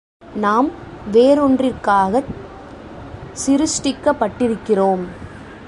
நாம் வேறொன்றிற்காகச் சிருஷ்டிக்கப்பட்டிருக்கிறோம்.